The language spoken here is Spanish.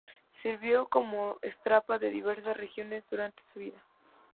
Sirvió como sátrapa de diversas regiones durante su vida.